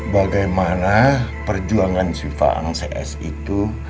bagaimana perjuangan swifa'ang cs itu